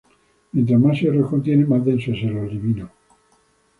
Mientras más hierro contiene más denso es el olivino.